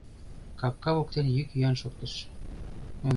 Капка воктен йӱк-йӱан шоктыш: